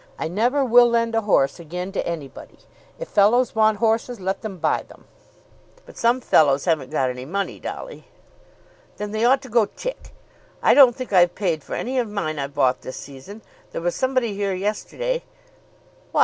I never will lend a horse again to anybody. If fellows want horses let them buy them." "But some fellows haven't got any money, Dolly." "Then they ought to go tick. I don't think I've paid for any of mine I've bought this season. There was somebody here yesterday " "What!